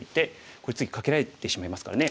これ次カケられてしまいますからね